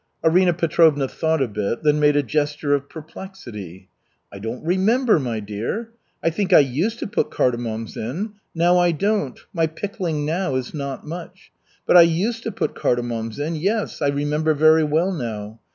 Arina Petrovna thought a bit, then made a gesture of perplexity. "I don't remember, my dear. I think I used to put cardamoms in. Now I don't. My pickling now is not much. But I used to put cardamoms in, yes, I remember very well now.